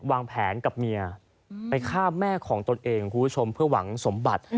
วางแผนกับเมียไปฆ่าแม่ของตนเองคุณผู้ชมเพื่อหวังสมบัติ